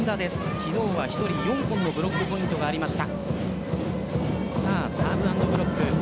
昨日は４本のブロックポイントがありました。